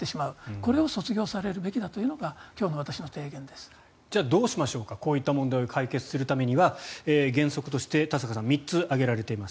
これを卒業されるべきだというのがじゃあ、どうしましょうかこういった問題を解決するためには原則として田坂さん３つ挙げられています。